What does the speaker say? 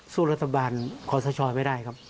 สู้รัฐบาลคอสชไม่ได้ครับ